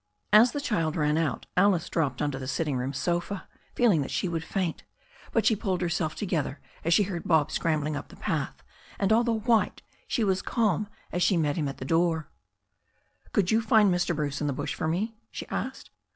As the child ran out, Alice dropped onto the sitting room sofa, feeling that she would faint, but she pulled herself to gether as she heard Bob scrambling up the path, and, though white, she was calm as she met him at the door. "Could you find Mr. Bruce in the bush for me?" she asked.